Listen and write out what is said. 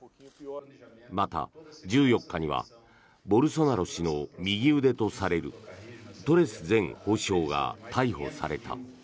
また１４日にはボルソナロ氏の右腕とされるトレス前法相が逮捕された。